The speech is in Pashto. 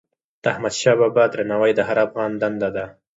د احمدشاه بابا درناوی د هر افغان دنده ده.